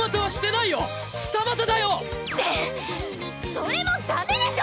それもダメでしょ！